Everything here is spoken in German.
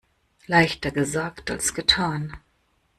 Leichter gesagt als getan.